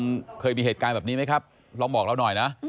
ใช่ครับท่านผู้ชมเคยมีเหตุการณ์แบบนี้ไหมครับลองบอกเราหน่อยนะ